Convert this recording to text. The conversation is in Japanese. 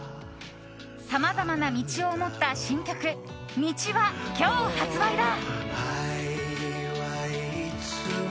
さまざまな道を思った新曲「星路」は今日、発売だ。